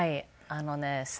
あのね